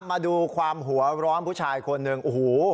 มาดูความหัวร้อนผู้ชายคนหนึ่งโอ้โห